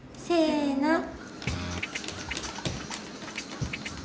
せの。